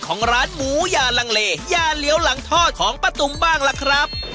ของร้านหมูยาลังเลยาเหลียวหลังทอดของป้าตุ๋มบ้างล่ะครับ